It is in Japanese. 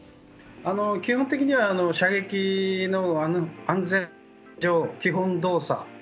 基本的には射撃の安全上の基本動作。